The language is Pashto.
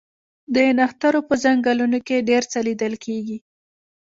د نښترو په ځنګلونو کې ډیر څه لیدل کیږي